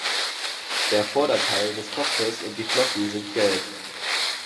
Der Vorderteil des Kopfes und die Flossen sind gelb.